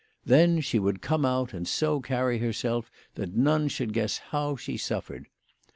Then she would come out and so carry herself that none should guess how she suffered.